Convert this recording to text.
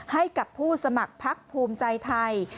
ให้กับผู้สมัครพักภูมิใจไทย